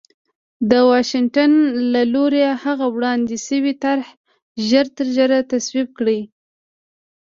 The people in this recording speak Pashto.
د واشنګټن له لوري هغه وړاندې شوې طرح ژرترژره تصویب کړي